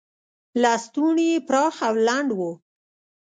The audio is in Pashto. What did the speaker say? لستوڼي یې پراخ او لنډ و.